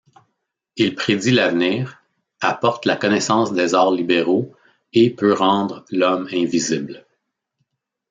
Il prédit l'avenir, apporte la connaissance des arts libéraux et peut rendre l'homme invisible.